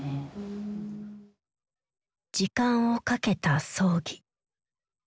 時間をかけた葬儀。